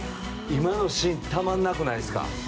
今のシーンたまらなくないですか。